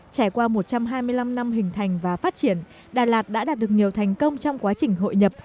trải qua một trăm hai mươi năm năm hình thành và phát triển đà lạt đã đạt được nhiều thành công trong quá trình hội nhập